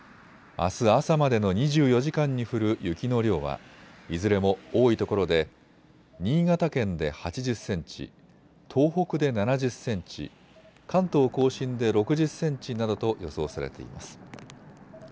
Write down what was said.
あす朝までの２４時間に降る雪の量はいずれも多いところで新潟県で８０センチ、東北で７０センチ、関東甲信で６０センチなどと予想されています。